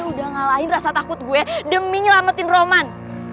gue udah ngalahin rasa takut gue demi nyelamatin roman